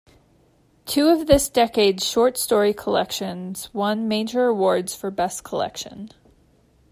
Two of this decade's short story collections won major awards for best collection.